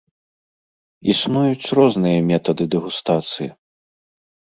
Існуюць розныя метады дэгустацыі.